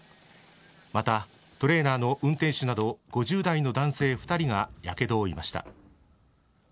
また、トレーラーの運転手など５０代の男性２人がやけどを負いました。